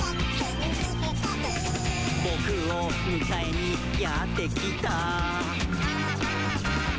「ぼくをむかえにやってきた？」